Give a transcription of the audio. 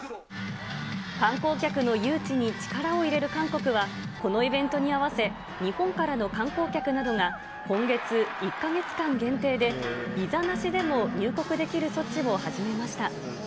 観光客の誘致に力を入れる韓国は、このイベントに合わせ、日本からの観光客などが、今月１か月間限定で、ビザなしでも入国できる措置を始めました。